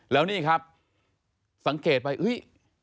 แล้วนี่ครับสังเกตไปอุ้ย